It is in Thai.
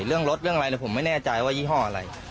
เรื่องรถเรื่องอะไรผมไม่แน่ใจว่ายี่ห้ออะไร